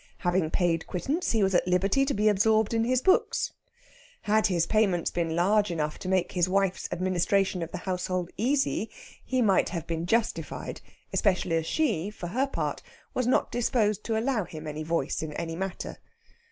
Having paid quittance, he was at liberty to be absorbed in his books. Had his payments been large enough to make his wife's administration of the household easy, he might have been justified, especially as she, for her part, was not disposed to allow him any voice in any matter.